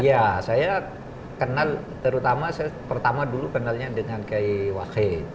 iya saya kenal terutama saya pertama dulu kenalnya dengan kiai wahid